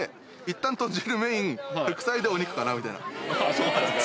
そうなんですか？